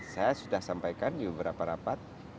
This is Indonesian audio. saya sudah sampaikan di beberapa rapat